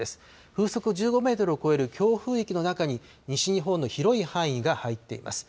風速１５メートルを超える強風域の中に西日本の広い範囲が入っています。